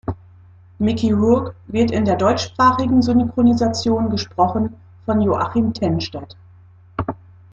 Mickey Rourke wird in der deutschsprachigen Synchronisation gesprochen von Joachim Tennstedt.